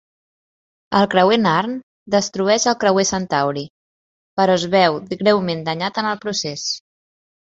El creuer Narn destrueix el creuer Centauri, però es veu greument danyat en el procés.